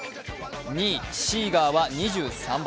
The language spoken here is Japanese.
２位・シーガーは２３倍。